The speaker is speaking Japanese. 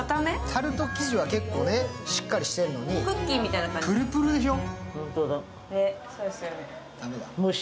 タルト生地は結構しっかりしてるのに、プルプルでしょ。